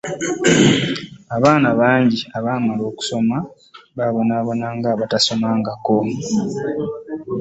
abaana bangi abamala okusoma 'ebabonabona nga abatasomangako